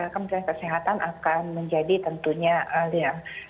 kementerian kesehatan akan menjadi tentunya ya